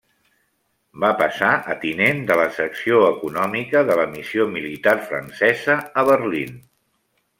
Va passar a tinent de la secció econòmica de la missió militar francesa a Berlín.